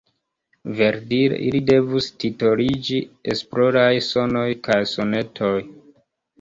Verdire ili devus titoliĝi Esploraj sonoj kaj sonetoj.